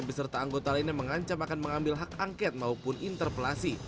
beserta anggota lainnya mengancam akan mengambil hak angket maupun interpelasi